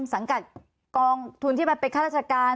สังกัดกองทุนที่มันเป็นข้าราชการ